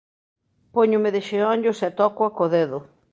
Póñome de xeonllos e tócoa co dedo.